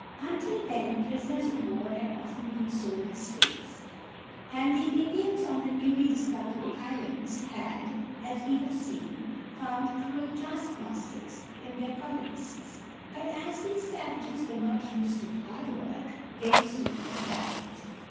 Until then prisoners of war had often been sold as slaves, and the Indians on the newly discovered islands had, as we have seen, found cruel taskmasters in the colonists. But as these savages were not used to hard work, they soon died.